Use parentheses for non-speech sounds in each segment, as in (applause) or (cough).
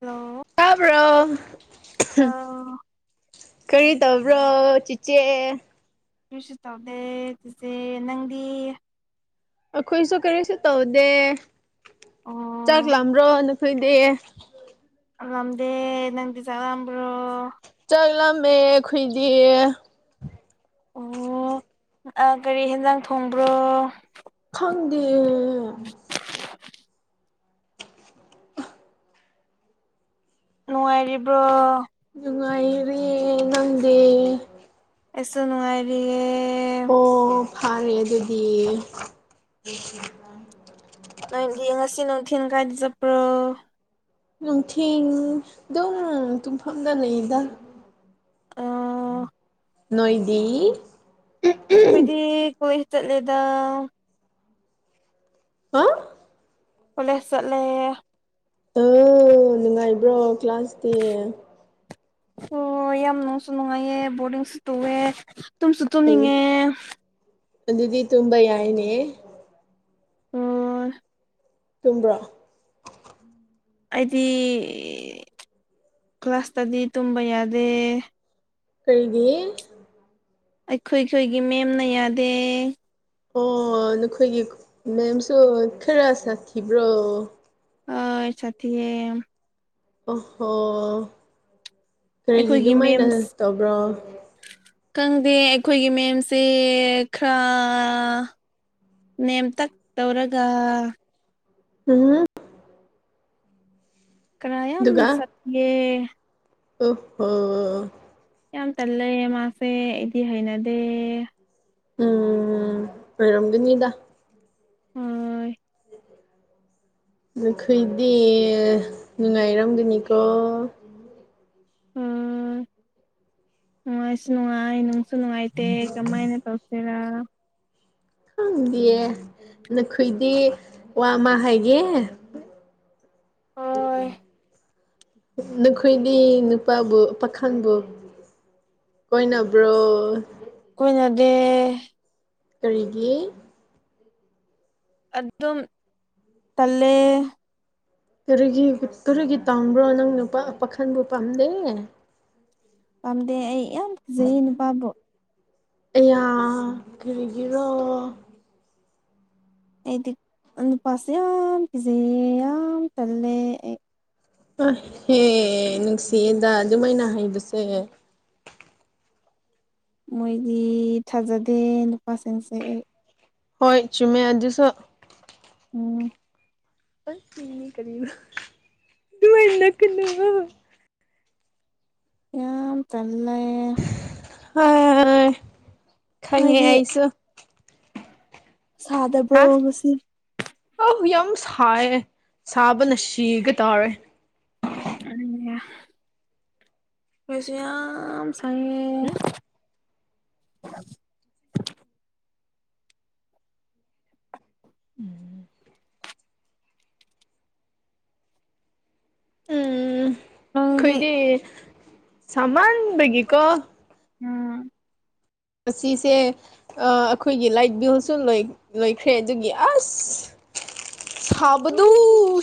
hello ꯇꯥꯕ꯭ꯔꯣ ꯀꯔꯤ ꯇꯧꯕ꯭ꯔꯣ ꯆꯤꯆꯦ ꯀꯨꯁꯨ ꯇꯧꯗꯦ ꯑꯗꯨꯆꯦ ꯅꯪꯗꯤ ꯑꯩꯈꯣꯏꯁꯨ ꯀꯔꯤꯁꯨ ꯇꯧꯗꯦ ꯆꯥꯛ ꯑꯣ ꯂꯥꯔꯣ ꯁꯣꯏꯗꯦ ꯝꯗꯦ ꯅꯪꯗꯤ ꯆꯔꯝꯕ꯭ꯔꯣ ꯆꯛꯂꯝꯃꯦ ꯑꯩꯈꯣꯏꯗꯤ ꯑꯣ ꯑ ꯀꯔꯤ ꯌꯦꯟꯖꯥꯡ ꯊꯣꯡꯕ꯭ꯔꯣ ꯈꯪꯗ (inaudible) ꯅꯨꯡꯉꯥꯏꯔꯤꯕ꯭ꯔꯣ ꯖꯅꯨꯡꯉꯥꯏꯔꯦ ꯅꯗꯦ ꯑꯦꯁꯨ ꯅꯨꯡꯉꯥꯏꯕꯤꯌꯦ ꯑꯣ ꯐꯔꯦ ꯑꯗꯨꯗꯤ ꯅꯣꯏ ꯌꯦꯡ ꯉꯁꯤ ꯅꯨꯡꯊꯤꯤꯟ ꯀꯥꯏꯗ ꯆꯠꯄ꯭ꯔꯣ ꯅꯨꯡꯊꯤ ꯑꯗꯨꯝ ꯇꯨꯡꯐꯝꯗ ꯂꯩꯗ ꯑ ꯅꯣꯏꯗꯤ ꯑꯩꯈꯣꯏꯗꯤ ꯀꯣꯂꯦꯖ ꯆꯠꯂꯗ ꯍꯥ ꯀꯂꯦ ꯁꯠꯂꯦ ꯑ ꯅꯨꯡꯉꯥꯏꯕ꯭ꯔꯣ ꯀ꯭ꯂꯥꯁꯇ ꯑꯣ ꯌꯥꯝ ꯅꯨꯡꯁꯨ ꯅꯨꯡꯉꯥꯏꯌꯦ ꯕꯣꯔꯗꯤꯡꯁꯨ ꯇꯨꯑꯦ ꯇꯨꯝꯁꯨ ꯇꯨꯝꯅꯤꯡꯉꯦ ꯤꯗꯤ ꯇꯨꯕꯥ ꯌꯥꯏꯅꯦ ꯑꯣ ꯇꯨꯝ꯭ꯔꯥ ꯑꯩꯗꯤ ꯀ꯭ꯂꯥꯁꯇꯗꯤ ꯇꯨꯝꯕ ꯌꯥꯗꯦ ꯀꯩꯒꯤ ꯑꯩꯈꯣꯏꯈꯣꯏꯒꯤ ꯃꯦꯝꯅ ꯌꯥꯗꯦ ꯑꯣ ꯅꯈꯣꯏꯒꯤ ꯃꯦꯝꯁꯨ ꯈꯔ ꯁꯥꯈꯤꯕ꯭ꯔꯣ ꯑ ꯁꯥꯊꯤ ꯑꯣꯍꯣ ꯀꯔꯤꯒꯤ ꯑꯩꯈꯣꯏꯒꯤ ꯑꯗꯨꯃꯥꯏꯅ ꯃꯦꯝꯁ ꯇꯧꯕ꯭ꯔꯣ ꯈꯪꯗꯦ ꯑꯩꯈꯣꯏꯒꯤ ꯃꯦꯝꯁꯦ ꯈꯔ ꯅꯦꯝ ꯇ ꯇꯧꯔꯒ ꯑꯝ ꯀ꯭ꯔꯥ ꯌꯥꯝ ꯁꯇꯦ ꯑ ꯍꯣ ꯌꯥꯝ ꯇꯜꯂꯦ ꯃꯥꯁꯦ ꯑꯩꯗꯤ ꯍꯩꯅꯗꯦ ꯎꯝ ꯑꯣꯏꯔꯝꯒꯅꯤꯗ ꯎ (inaudible) ꯑꯩꯈꯣꯏꯗꯤ ꯅꯨꯡꯉꯥꯏꯔꯝꯒꯅꯤꯀꯣ ꯑꯣ ꯃꯅꯨꯡꯥꯏꯁꯨ ꯅꯅꯨꯡꯉꯥꯏꯅꯅꯨꯡ ꯅꯅꯨꯡꯉꯥꯏꯇꯦ ꯀꯃꯥꯏꯅ ꯇꯧꯁꯦꯔ ꯈꯪꯗꯌꯦ ꯅꯈꯣꯏꯗꯤ ꯋꯥ ꯑꯃ ꯍꯥꯏꯒꯦ ꯑꯣ ꯅꯈꯣꯏꯗꯤ ꯅꯨꯄꯥꯕꯨ ꯄꯥꯈꯪꯕꯨ ꯀꯣꯏ ꯅꯕ꯭ꯔꯣ ꯀꯈꯣꯏꯅꯗꯦ ꯀꯔꯤꯒꯤ ꯑꯗꯨꯝ ꯇꯂꯦ ꯀꯔꯤꯒꯤ ꯀꯔꯤꯒꯤ ꯇꯥꯎꯕ꯭ꯔꯣ ꯅꯪ ꯅꯨꯄꯥ ꯄꯥꯈꯟꯕꯨ ꯄꯥꯝꯗꯦ ꯈꯗꯦ ꯑꯩ ꯌꯥꯝ ꯐꯖꯩ ꯅꯨꯄꯥꯕꯨ ꯑꯌꯥ ꯀꯔꯤꯒꯤꯔꯣ ꯑꯩꯗꯤ ꯅꯨꯄꯥꯁꯦ ꯌꯥꯝ ꯐꯤꯖꯩ ꯌꯥꯝ ꯆꯜꯂꯦ ꯑꯩ ꯑꯍꯦ ꯅꯨꯡꯁꯤꯌꯦꯗ ꯑꯗꯨꯃꯥꯏꯅ ꯍꯩꯕꯁꯦ ꯃꯣꯏꯗꯤ ꯊꯥꯖꯗꯦ ꯅꯨꯄꯥꯁꯤꯡꯁꯦ ꯑꯩ ꯍꯣꯏ ꯆꯃꯦ ꯑꯗꯨꯣ ꯎꯝ ꯑꯁ ꯏꯅꯤ ꯀꯅ ꯀꯅ ꯌꯥ ꯆꯂ ꯑ ꯈꯪꯉꯦ ꯅꯣꯏꯗꯤ ꯑꯩꯁꯨ ꯁꯥꯗꯔꯕ꯭ꯔꯣ ꯉꯁꯤ ꯑꯍ ꯌꯥꯝ ꯁꯥꯏ ꯁꯥꯕꯅ ꯁꯤꯒ ꯇꯥꯔꯦ ꯑ (unintelligible) ꯑꯩꯈꯣꯏꯁꯨ ꯌꯥꯝ ꯁꯥꯢꯌꯦ (inaudible) ꯎꯝ ꯎꯝ ꯅꯪꯗꯤ ꯑꯩꯈꯣꯏꯗꯤ ꯁꯃꯥꯟꯕꯒꯤꯀꯣ ꯎꯝ ꯉꯥꯁꯤꯁꯦ ꯑꯩꯈꯣꯏꯒꯤ ꯂꯥꯏꯠ ꯕꯤꯜꯁꯨ ꯂꯣꯏꯈ꯭ꯔꯦ ꯑꯗꯨꯒꯤ ꯑꯥꯁ (unintelligible) ꯑꯣ ꯁꯥꯕꯗꯨ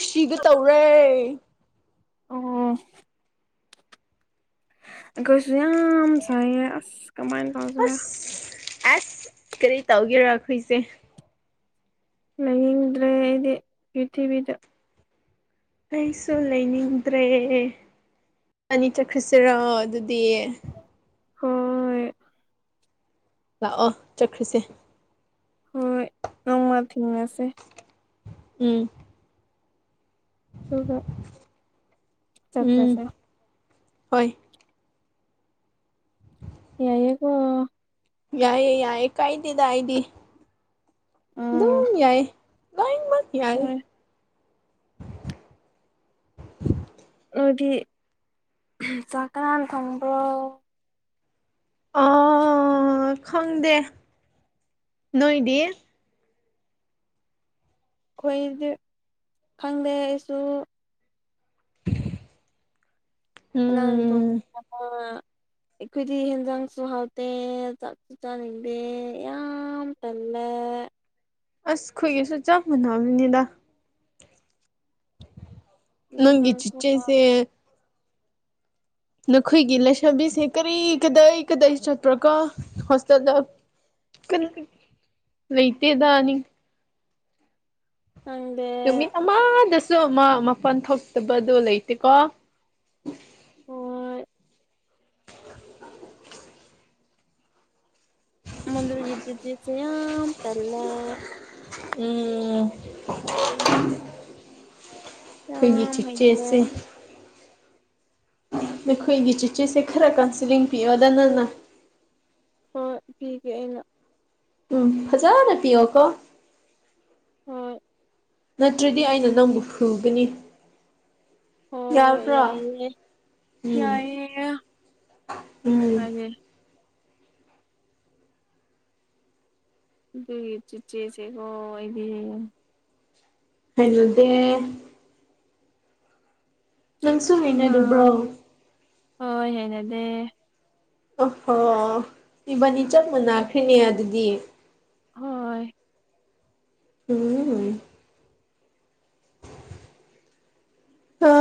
ꯁꯤꯒꯇꯧꯔꯦ ꯑꯣ ꯑꯩꯈꯣꯏꯁꯨ ꯌꯥꯝ ꯁꯥꯏꯌꯦ ꯑꯁ ꯀꯃꯥꯏꯅ ꯇꯧꯖꯔꯦ ꯑꯁ ꯑꯁ ꯀꯔꯤ ꯇꯧꯒꯦꯔ ꯑꯩꯈꯣꯏꯁꯦ ꯂꯩꯥꯏꯅꯤꯡꯗ꯭ꯔꯦ ꯑꯩꯗꯤ ꯄ꯭ꯔꯤꯊꯤꯕꯤꯗ ꯑꯩꯁꯨ ꯂꯩꯅꯤꯡꯗ꯭ꯔꯦ ꯢꯕꯥꯟꯅꯤ ꯆꯠꯈ꯭ꯔꯁꯤꯔꯣ ꯑꯗꯨꯗꯤ ꯍꯣꯏ ꯂꯥꯛꯑꯣ ꯆꯠꯈ꯭ꯔꯤꯁꯦ ꯍꯣꯏ ꯅꯣꯡꯃ ꯊꯦꯡꯅꯁꯦ ꯎꯝ ꯍ ꯍ (inaudible) ꯎꯝ ꯆꯠꯈ꯭ꯔꯁꯦ ꯍꯣꯏ ꯌꯥꯢꯌꯦꯒꯣ ꯌꯥꯏꯑꯌꯦ ꯌꯥꯏꯑꯦ ꯀꯥꯏꯗꯦꯗ ꯑꯩꯗꯤ ꯎꯝ ꯑꯗꯨꯝ ꯌꯥꯏ ꯂꯣꯢꯃꯥꯛ ꯌꯥꯏ ꯍꯣꯏ ꯑꯗꯨꯗꯤ ꯆꯥꯛ ꯀꯥꯅꯅ ꯊꯣꯡꯕ꯭ꯔꯣ ꯑꯣ ꯈꯪꯗꯦ ꯅꯣꯏꯗꯤ ꯑꯩꯈꯣꯏꯗꯤ ꯈꯪꯗꯦ ꯑꯩꯁꯨ ꯀꯅꯥꯅꯥ ꯎꯝ (inaudible) ꯑꯩꯈꯣꯏꯗꯤ ꯍꯦꯟꯖꯥꯡꯁꯨ ꯍꯥꯎꯇꯦ ꯆꯥꯛꯁꯨ ꯆꯥꯅꯤꯡꯗꯦ ꯌꯥꯝ ꯇꯜꯂꯦ ꯑꯦ (inaudible) ꯑꯁ ꯈꯣꯏꯒꯦꯁꯨ ꯆꯞ ꯃꯅꯕꯅꯤꯗ ꯅꯪꯒꯤ ꯏꯟꯖꯥꯡꯁꯨ ꯍꯥꯎ ꯆꯤꯆꯦꯁꯦ ꯅꯈꯣꯏꯒꯤ ꯂꯩꯁꯥꯕꯤꯁꯦ ꯀꯔꯤ ꯀꯗꯥꯩ ꯀꯗꯥꯏ ꯆꯠꯄ꯭ꯔꯣꯀꯣ ꯍꯣꯁꯇꯦꯜꯗ ꯀꯩ ꯂꯩꯇꯦꯗ ꯈꯪꯗꯦ ꯅꯨꯃꯤꯠ ꯑꯃꯗꯁꯨ ꯃꯥ ꯃꯄꯜ ꯊꯣꯛꯇꯕꯗꯣ ꯂꯩꯇꯦꯀꯣ ꯍꯣꯏ (unintelligible) ꯃꯗꯨꯒꯤ ꯆꯦꯆꯤꯁꯦ ꯌꯝ ꯇꯜꯂꯦ ꯎꯝ ꯈꯣꯏꯒꯤ ꯌꯥꯝ ꯍꯩꯅꯗꯦ ꯆꯦꯆꯦꯁꯦ ꯅꯈꯣꯏꯒꯤ ꯆꯤꯆꯤꯁꯦ ꯈꯔ ꯀꯥꯎꯟꯁꯤꯂꯤꯡ ꯄꯤꯌꯗ ꯅꯪ ꯍꯣꯢ ꯄꯤꯒꯦ ꯑꯩ ꯎꯝ ꯐꯖꯥꯅ ꯄꯤꯌꯨꯀꯣ ꯎꯝ ꯅꯠꯇ꯭ꯔꯗꯤ ꯑꯩꯅ ꯅꯪꯕꯨ ꯐꯨꯒꯅꯤ ꯑꯣ ꯌꯥꯕ꯭ꯔꯣ ꯌꯥꯏꯌꯦ ꯎꯝ ꯌꯥꯏꯌꯦ ꯎꯝ ꯇꯥꯢꯌꯦ (inaudible) ꯑꯗꯨꯒꯤ ꯆꯤꯆꯦꯁꯤꯀꯣ ꯑꯩꯗꯤ ꯍꯩꯅꯗꯦ ꯅꯪꯁꯨ ꯍꯩꯅꯗꯕ꯭ꯔꯣ ꯍ ꯍꯩꯅꯗꯦ ꯑ ꯍꯣ ꯏꯕꯥꯅꯤ ꯆꯞ ꯃꯟꯅꯅꯥꯈ꯭ꯔꯤꯅꯦ ꯑꯗꯨꯗꯤ ꯍꯣꯏ ꯎꯝ ꯑ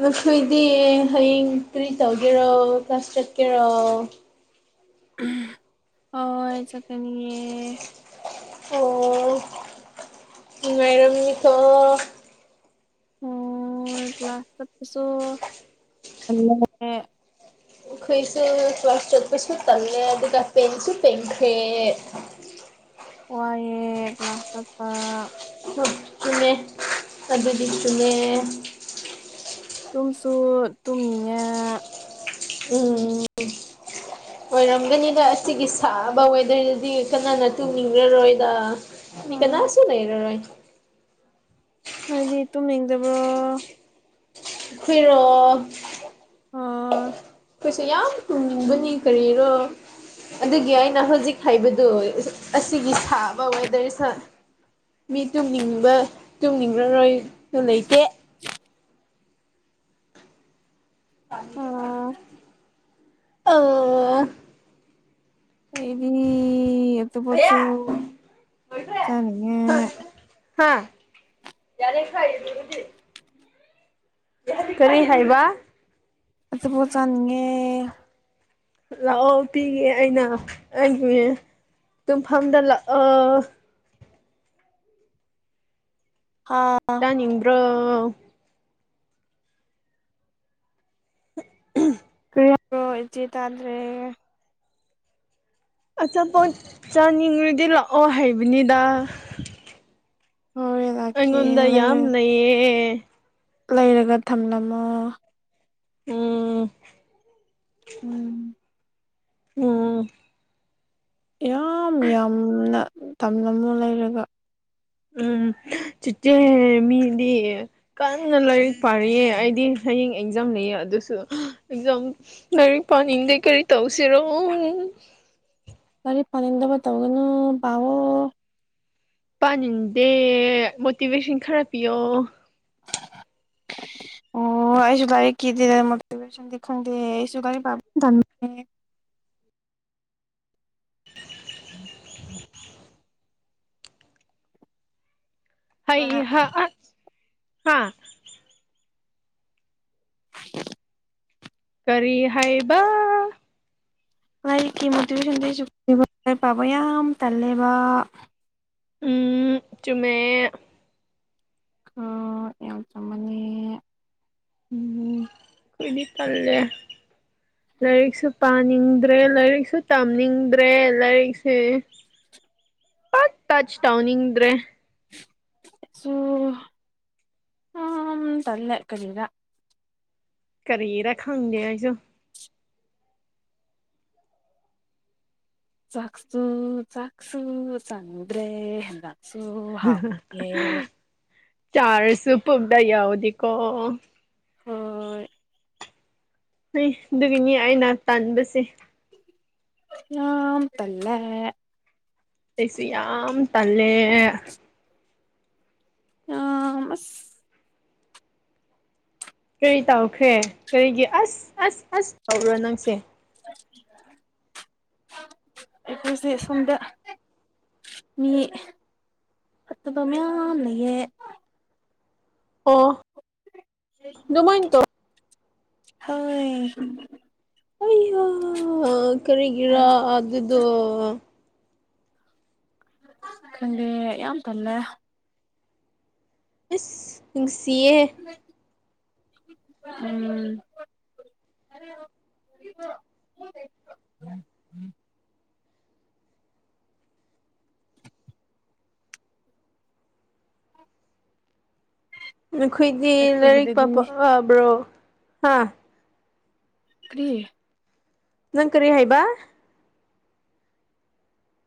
ꯅꯈꯣꯏꯗꯤ ꯍꯌꯦꯡ ꯀ꯭ꯔꯤ ꯇꯧꯒꯦꯔꯣ ꯀ꯭ꯂꯥꯁ ꯆꯠꯀꯦꯔꯣ ꯍ ꯍ ꯆꯠꯀꯅꯤꯌꯦ ꯑꯣ ꯃꯔꯝꯅꯤꯊ ꯑꯣ ꯀ꯭ꯂꯥꯁꯥꯁꯁꯨꯣ ꯈꯣꯏꯁꯨ ꯐꯁ ꯆꯠꯄꯩꯁ ꯇꯜꯦ ꯑꯗꯨ ꯀ ꯄꯁꯨ ꯄꯈ꯭ꯔꯦ ꯋꯥꯌꯦ ꯀ꯭ꯂꯥꯁ ꯆꯠꯄ ꯆꯨꯅꯦ ꯑꯗꯨꯗꯤ ꯆꯨꯅꯦ ꯇꯨꯝꯁꯨ ꯇꯨꯝꯅꯤꯡꯉꯦ ꯎꯝ ꯑꯣꯏꯔꯝꯒꯅꯤꯗ ꯑꯁꯤꯒꯤ ꯁꯥꯕ ꯋꯦꯗꯔꯗꯗꯤ ꯀꯅꯥꯅ ꯇꯨꯡꯅꯤꯡꯈ꯭ꯔꯔꯣꯏꯗ ꯃꯤ ꯎꯝ ꯀꯅꯥꯁꯨꯨ ꯂꯩꯔ ꯔꯣꯏ ꯍꯥꯏꯗꯤ ꯇꯨꯝꯅꯤꯡꯗꯕ꯭ꯔꯣ ꯍꯔꯣ ꯑꯣ ꯑꯩꯈꯣꯏꯁꯦ ꯌꯥꯝ ꯊꯨꯝꯕꯅꯤ ꯀꯔꯤꯔꯣ ꯑꯗꯨꯒꯤ ꯑꯩꯅ ꯍꯧꯖꯤꯛ ꯍꯥꯏꯕꯗꯣ ꯑꯁꯤꯒꯤ ꯁꯥꯕ ꯋꯦꯗꯔ ꯃꯤ ꯇꯨꯡꯅꯤꯡꯕ ꯇꯨꯡꯅꯤꯡꯈꯔꯣꯏꯁꯨ ꯂꯩꯇꯦ (inaudible) ꯑꯣ ꯑꯣ ꯑꯩꯗꯤ ꯑꯦꯛꯇ ꯄꯣꯁꯨ ꯀꯌꯥ ꯆꯅꯤꯉ ꯍꯥ ꯌꯥꯅ ꯈ ꯀꯔꯔꯤ ꯍꯥꯏꯕ ꯑꯠꯇ ꯄ ꯆꯥꯅꯤꯡꯉꯦ ꯂꯥꯛꯑꯣ ꯄꯤꯒꯦ ꯑꯩꯅ ꯑꯩ ꯇꯨꯡꯐꯝꯗ ꯂꯥꯛ ꯑ ꯍꯥ ꯆꯥꯅꯤꯡꯕ꯭ꯔꯣ ꯭ꯔꯣ ꯏ ꯆꯦ ꯇꯥꯗ꯭ꯔꯦ ꯑꯆꯥꯄꯣꯠ ꯆꯥꯅꯤꯡꯉꯨꯗꯤ ꯂꯥꯛꯑꯣ ꯍꯥꯏꯕꯅꯤꯗ ꯍꯣꯏ ꯂꯥꯛꯀꯦ ꯑꯩꯉꯣꯟꯗ ꯂꯩꯔ ꯌꯥꯝꯝ ꯂꯩꯌꯦꯦ ꯂꯩꯔꯒ ꯊꯝꯂꯝꯃꯣ ꯑꯣ ꯎꯝ ꯑꯥ ꯌꯥꯝ ꯌꯥꯝꯅ ꯇꯝꯂꯝꯃꯨ ꯂꯩꯔꯒ ꯎꯝ ꯆꯤꯆꯦ ꯃꯤꯗꯤ ꯀꯟꯅ ꯂꯥꯏꯔꯤꯛ ꯄꯥꯔꯤꯌꯦ ꯑꯩꯗꯤ ꯍꯌꯦꯡ ꯑꯦꯛꯖꯥꯝ ꯌꯥꯝꯅ ꯑꯗꯨꯁꯨ ꯑꯦꯛꯖꯥꯝ ꯉꯔꯤ ꯄꯥꯅꯤꯡꯗ ꯀꯔꯤ ꯇꯧꯁꯤꯔꯣ (inaudible) ꯄꯅꯗꯕ ꯇꯧꯒꯅꯣ ꯄꯕꯣ ꯄꯥꯅꯗꯦ ꯃꯣꯇꯤꯚꯦꯁꯟ ꯈꯔ ꯄꯤꯌꯣ ꯑꯣ ꯑꯣꯁꯨ ꯇꯥꯏꯦꯗꯤꯣꯚꯦꯟꯗꯦꯁꯨꯥꯏ ꯎꯝ ꯎ ꯍ ꯑꯗꯨꯅ ꯍꯥꯥ (inaudible) ꯀꯔꯤ ꯍꯥꯏꯌꯦꯕ ꯂꯥꯏꯛꯀꯤ ꯃꯣꯇꯤꯚꯦꯁꯟꯗꯁꯨ ꯄꯕ ꯌꯥꯝ ꯇꯜꯂꯦꯕ ꯎꯝ ꯆꯨꯝꯃꯦ ꯌꯥꯎꯖ ꯃꯅꯤ ꯎꯝ ꯈꯣꯢꯗꯤ ꯇꯜꯂꯦ ꯂꯥꯏꯔꯤꯛꯁꯨ ꯄꯥꯅꯤꯡꯗ꯭ꯔꯦ ꯂꯥꯏꯔꯤꯛꯁꯨ ꯇꯝꯅꯤꯡꯗ꯭ꯔꯦ ꯂꯥꯏꯔꯤꯛꯁꯦ (inaudible) ꯄ ꯇ꯭ꯆ ꯇꯎꯅꯤꯡꯗ꯭ꯔꯦ ꯁꯣ ꯑ ꯇꯜꯂꯦ ꯀꯔꯤꯔ ꯀꯔꯤꯔꯥ ꯈꯪꯗꯦ ꯑꯩꯁꯨ ꯆꯥꯛꯁꯨꯨ ꯆꯥꯛꯁꯨ ꯆꯟꯗꯔꯦ ꯁꯨ ꯍꯥꯎ ꯌꯦ ꯆꯥꯔꯁꯨ ꯄꯨꯛꯗ ꯌꯥꯎꯗꯤꯀꯣ ꯍꯣꯏ ꯍꯩ ꯑꯗꯨꯒꯤꯅꯤ ꯑꯩꯅ ꯇꯥꯟꯕꯁꯦ ꯌꯥꯝ ꯇꯜꯂꯦ ꯑꯩꯁꯨ ꯌꯥꯝ ꯇꯜꯂꯦ ꯑꯥ ꯀꯔꯤ ꯇꯧꯈ꯭ꯔꯦ ꯀꯔꯤꯒꯤ ꯑꯁ ꯑꯁ ꯑꯁ ꯇꯧꯕ꯭ꯔꯣ ꯅꯪꯁꯦ (unintelligible) ꯑꯩꯈꯣꯏꯁꯦ ꯁꯣꯝꯗ ꯃꯤ ꯐꯠꯇꯕ ꯃꯌꯥꯝ ꯂꯩꯌꯦ ꯑꯣ ꯑꯗꯨ ꯃꯣꯏ ꯇꯧ ꯍꯣꯏ ꯑꯌꯥ ꯀꯔꯤꯒꯤꯔꯥ ꯑꯗꯨꯗꯣ ꯈꯪꯗꯦ ꯌꯥꯝ ꯇꯜꯂꯦ ꯑꯁ ꯅꯨꯡꯁꯤꯌꯦ ꯎꯝ (unintelligible) ꯑꯩꯈꯣꯏꯗꯤ ꯂꯥꯏꯔꯤꯛ ꯄꯥ ꯑꯩꯈꯣꯏꯒꯤꯗꯗꯤ ꯄꯕ꯭ꯔꯣ ꯍꯥ ꯀꯔꯤ ꯅꯪ ꯀꯔꯤ ꯍꯥꯏꯕ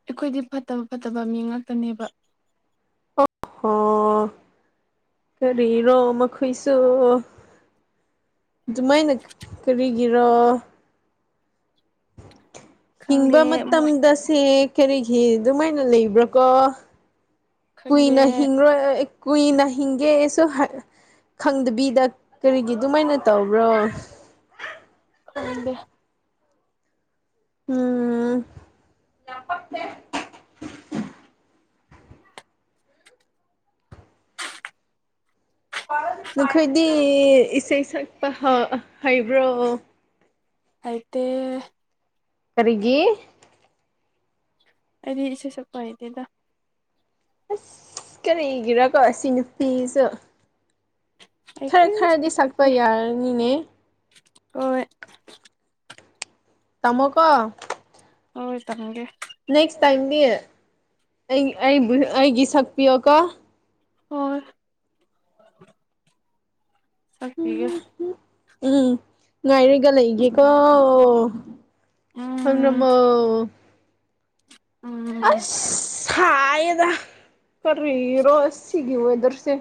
ꯑꯩꯈꯣꯏꯗꯤ ꯐꯠꯇꯕ ꯐꯠꯇꯕ ꯃꯤ ꯉꯥꯛꯇꯅꯦꯕ ꯑꯣ ꯀꯔꯤꯔꯣ ꯃꯈꯣꯏꯁꯨ ꯑꯗꯨꯃꯥꯏꯅ ꯀꯔꯤꯒꯤꯔꯣ ꯈꯪꯗꯦ ꯍꯤꯡꯕ ꯃꯣꯏ ꯃꯇꯝꯗꯁꯦ ꯀꯔꯤꯒꯤ ꯑꯗꯨꯃꯥꯏꯅ ꯂꯩꯕ꯭ꯔꯥꯀꯣ ꯈꯪꯗꯦ ꯀꯨꯏꯅ ꯍꯤꯡꯔꯣꯏ ꯀꯨꯏꯅ ꯍꯤꯡꯒꯦꯁꯨ ꯈꯪꯗꯕꯤꯗ ꯀꯔꯤꯒꯤ ꯑꯗꯨꯃꯥꯏꯅ ꯇꯧꯕ꯭ꯔꯣ ꯈꯪꯗꯦ ꯎꯝ ꯅꯈꯣꯏꯗꯤ ꯏꯁꯩ ꯁꯛꯄ ꯍꯩꯕ꯭ꯔꯣ ꯍꯩꯇꯦ ꯀꯔꯤꯒꯤ ꯑꯩꯗꯤ ꯏꯁꯩ ꯁꯛꯄ ꯍꯥꯏꯇꯦꯗ ꯑꯁ ꯀꯔꯤꯒꯤꯔ ꯀꯣ ꯑꯁꯤ ꯅꯨꯄꯤꯁꯨ ꯑꯩ ꯈꯔ ꯀꯔꯤꯁꯨ ꯈꯔꯗꯤ ꯁꯛꯄ ꯌꯥꯔꯅꯤꯅꯦ ꯑꯣꯏ ꯇꯝꯃꯣꯀꯣ ꯍꯣꯏ ꯇꯝꯒꯦ ꯅꯦꯛꯁ ꯇꯥꯏꯝꯗꯤ ꯑꯩꯒꯤ ꯁꯛꯄꯤꯌꯣꯀꯣ ꯑꯣ ꯁꯛꯄꯤꯒꯦ ꯎꯝ ꯉꯥꯏꯔꯒ ꯂꯩꯒꯦꯀꯣ ꯎꯝ (unintelligible) ꯎꯝ ꯑꯁ ꯀꯥꯔꯤꯔꯣ ꯁꯤꯒꯤ ꯋꯦꯗꯔꯁꯦ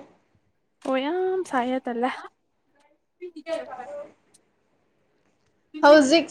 ꯀꯣꯛ ꯌꯥꯝꯌꯥꯝ ꯁꯥꯏꯌꯦ ꯇꯜꯂꯦ ꯍꯧꯖꯤꯛ